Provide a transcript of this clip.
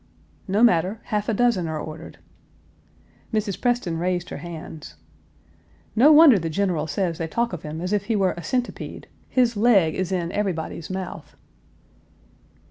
"No matter; half a dozen are ordered." Mrs. Preston raised her hands: "No wonder the General says they talk of him as if he were a centipede; his leg is in everybody's mouth."